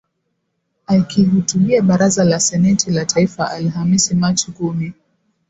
akihutubia Baraza la Seneti la taifa Alhamisi Machi kumi